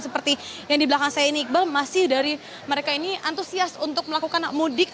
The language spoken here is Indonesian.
seperti yang di belakang saya ini iqbal masih dari mereka ini antusias untuk melakukan mudik